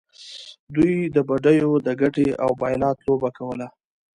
دوی د بیډیو د ګټې او بایلات لوبه کوله.